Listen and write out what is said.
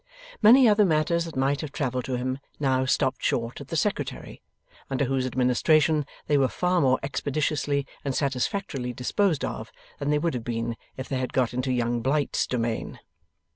Many other matters that might have travelled to him, now stopped short at the Secretary, under whose administration they were far more expeditiously and satisfactorily disposed of than they would have been if they had got into Young Blight's domain.